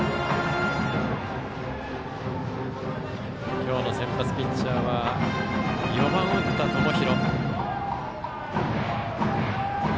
今日の先発ピッチャーは４番を打った友廣。